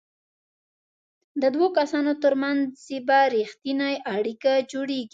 د دوو کسانو ترمنځ به ریښتینې اړیکه جوړیږي.